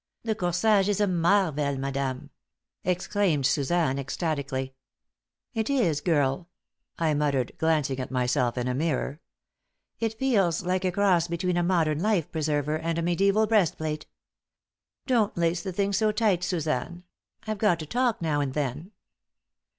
"The corsage is a marvel, madame!" exclaimed Suzanne, ecstatically. "It is, girl," I muttered, glancing at myself in a mirror. "It feels like a cross between a modern life preserver and a mediæval breast plate. Don't lace the thing so tight, Suzanne. I've got to talk now and then!"